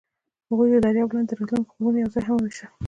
هغوی د دریاب لاندې د راتلونکي خوبونه یوځای هم وویشل.